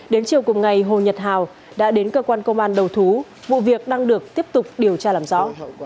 đến chiều cùng ngày hồ nhật hào đã đến cơ quan công an đầu thú vụ việc đang được tiếp tục điều tra làm rõ